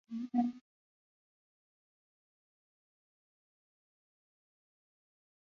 Protagonizó "Phantom Racer" "y Girl in Progress".